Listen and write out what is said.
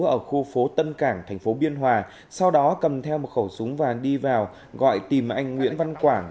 ở khu phố tân cảng tp biên hòa sau đó cầm theo một khẩu súng và đi vào gọi tìm anh nguyễn văn quảng